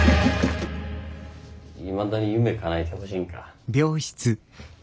いまだに夢かなえてほしいんか。